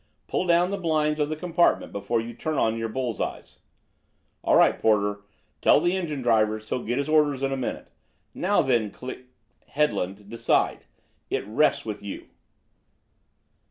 Pull down the blinds of the compartment before you turn on your bull's eyes. All right, porter. Tell the engine driver he'll get his orders in a minute. Now then, Cl Headland, decide; it rests with you."